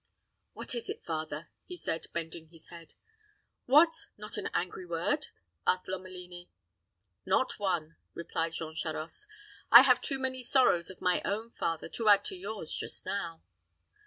"What is it, father?" he said, bending his head. "What, not an angry word?" asked Lomelini. "Not one," replied Jean Charost. "I have too many sorrows of my own, father, to add to yours just now."